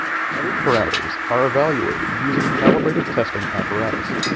Standard parameters are evaluated using calibrated testing apparatus.